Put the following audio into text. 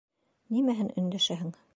Нимәһен өндәшәһең?